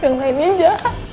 yang lainnya aja